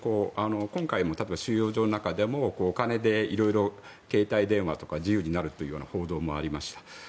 今回も多分、収容の中でもお金で色々、携帯電話とか自由になるという報道もありました。